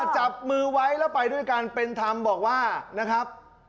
จับมือไว้แล้วไปด้วยกันเป็นธรรมบอกว่านะครับ